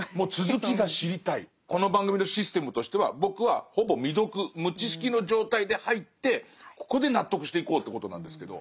この番組のシステムとしては僕はほぼ未読無知識の状態で入ってここで納得していこうということなんですけど。